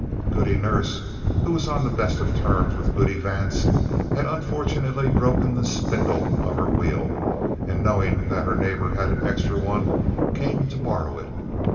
"] Goody Nurse, who was on the best of terms with Goody Vance, had unfortunately broken the spindle of her wheel and, knowing that her neighbor had an extra one, came to borrow it.